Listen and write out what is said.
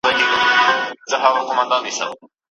خاوند د خپلي خوښي مطابق کوم اقدام کولای سي؟